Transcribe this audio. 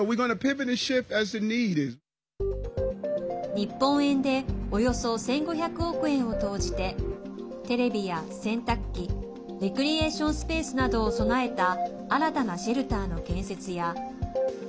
日本円でおよそ１５００億円を投じてテレビや洗濯機レクリエーションスペースなどを備えた新たなシェルターの建設や。